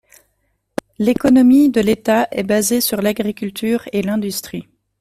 L'économie de l'État est basée sur l'agriculture et l'industrie.